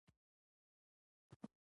لومړۍ دوره د استقلال خبرې کولې